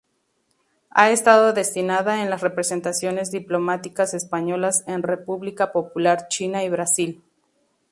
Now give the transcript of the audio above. Ha estado destinada en las representaciones diplomáticas españolas en República Popular China y Brasil.